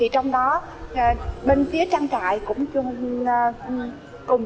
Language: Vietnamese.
trong đó bên phía trang trại cũng cùng chúng tôi